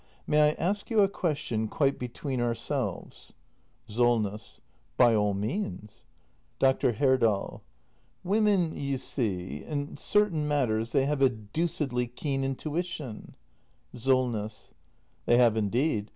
May I ask you a question, quite between ourselves ? 272 THE MASTER BUILDER [act i SOLNESS. By all means. Dr. Herdal. Women, you see — in certain matters, they have a deucedly keen intuition SOLNESS. They have, indeed.